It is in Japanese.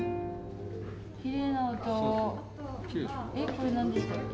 これ何でしたっけ。